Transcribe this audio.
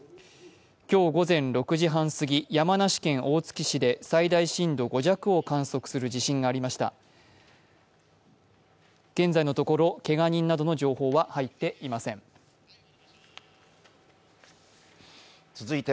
今日午前６時半すぎ、山梨県大月市で最大震度５弱を観測する地震がありました。